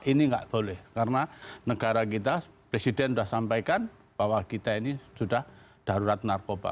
ini nggak boleh karena negara kita presiden sudah sampaikan bahwa kita ini sudah darurat narkoba